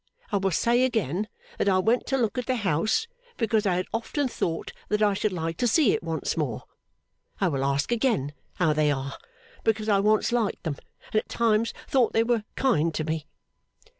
I will say again that I went to look at the house, because I had often thought that I should like to see it once more. I will ask again how they are, because I once liked them and at times thought they were kind to me.